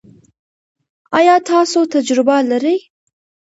ایا تاسو تجربه لرئ؟